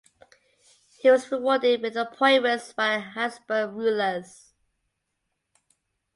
He was rewarded with appointments by the Hapsburg rulers.